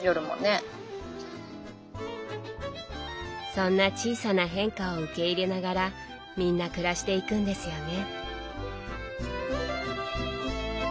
そんな小さな変化を受け入れながらみんな暮らしていくんですよね。